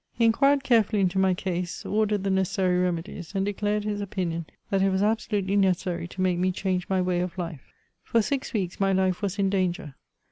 * He inquired carefully into my case, ordered the necessary remedies, and declared his opinion that it was absolutely necessary to make me change my way of life. For six weeks my life was in danger.